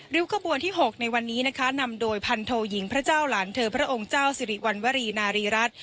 ริ้วขบวนที่๖ในวันนี้นะคะนำโดยพันโทยิงพระเจ้าหลานเธอพระองค์เจ้าสิริวัณวรีนารีรัฐ